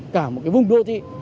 cả một cái vùng đô thị